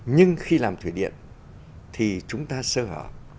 nhưng khi làm thủy điện thì chúng ta sơ hở